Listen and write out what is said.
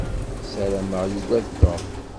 Ssarameɣ yugad Tom.